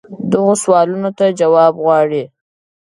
دغو سوالونو ته جواب غواړي.